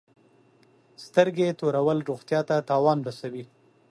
سترګي تورول روغتیا ته تاوان رسوي.